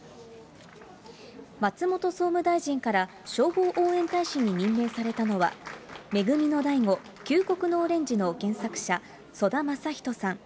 松本総務大臣から、消防応援大使に任命されたのは、め組の大吾救国のオレンジの原作者、曽田正人さん。